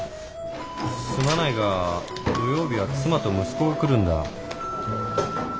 すまないが土曜日は妻と息子が来るんだ。